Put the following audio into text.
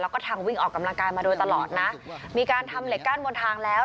แล้วก็ทางวิ่งออกกำลังกายมาโดยตลอดนะมีการทำเหล็กกั้นบนทางแล้ว